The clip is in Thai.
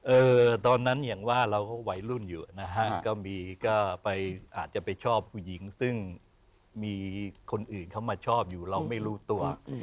ตอนนั้นอย่างว่าเราก็วัยรุ่นอยู่นะฮะก็มีก็ไปอาจจะไปชอบผู้หญิงซึ่งมีคนอื่นเขามาชอบอยู่เราไม่รู้ตัว